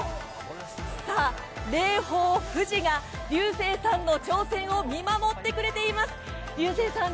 さあ、霊峰富士がリューセーさんの挑戦を見守ってくれています。